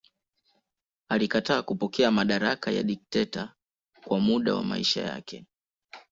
Alikataa kupokea madaraka ya dikteta kwa muda wa maisha yake.